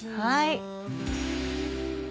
はい。